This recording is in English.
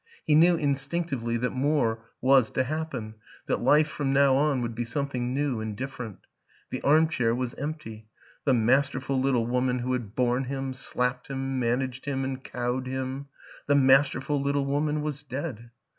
He knew instinc tively that more was to happen, that life from now on would be something new and different. ... The arm chair was empty; the masterful little woman who had borne him, slapped him, man aged him and cowed him the masterful little woman was dead!